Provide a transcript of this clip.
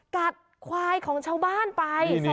กัดควายของชาวบ้านไป